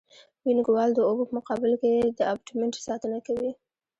وینګ وال د اوبو په مقابل کې د ابټمنټ ساتنه کوي